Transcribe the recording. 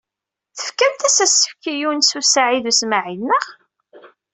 Tefkamt-as asefk i Yunes u Saɛid u Smaɛil, naɣ?